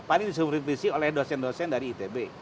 paling disubritisi oleh dosen dosen dari itb